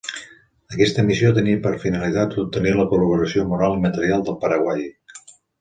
Aquesta missió tenia per finalitat obtenir la col·laboració moral i material del Paraguai.